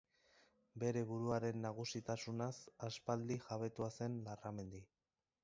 Bere buruaren nagusitasunaz aspaldi jabetua zen Larramendi.